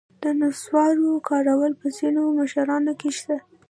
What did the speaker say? د نصوارو کارول په ځینو مشرانو کې شته.